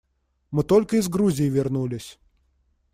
Мы только из Грузии вернулись.